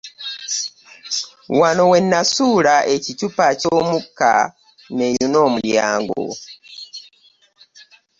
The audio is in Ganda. Wano we Nasuula ekicupa ky'omukka nneeyune omulyango.